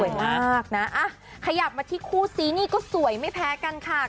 มากนะขยับมาที่คู่ซีนี่ก็สวยไม่แพ้กันค่ะ